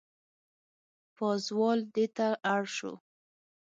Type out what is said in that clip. پازوال دېته اړ شو.